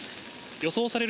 予想される